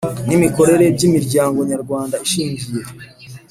N imikorere by imiryango nyarwanda ishingiye